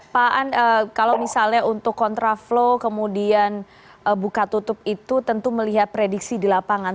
pak an kalau misalnya untuk kontraflow kemudian buka tutup itu tentu melihat prediksi di lapangan